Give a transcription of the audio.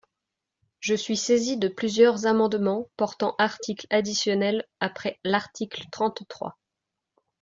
Je suis saisi de plusieurs amendements portant articles additionnels après l’article trente-trois.